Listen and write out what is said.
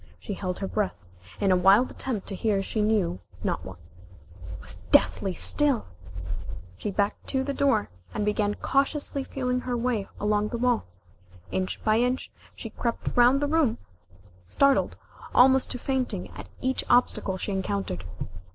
She held her breath, in a wild attempt to hear she knew not what. It was deathly still! She backed to the door, and began cautiously feeling her way along the wall. Inch by inch, she crept round the room, startled almost to fainting at each obstacle she encountered.